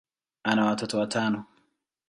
ana watoto watano.